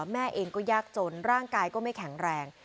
แม่เองก็ยากจนร่างกายก็ไม่แข็งแรง